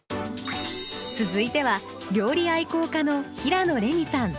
続いては料理愛好家の平野レミさん。